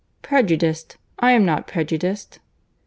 "Prejudiced! I am not prejudiced."